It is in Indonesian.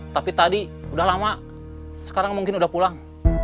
tapi tadi sudah lama sekarang mungkin sudah pulang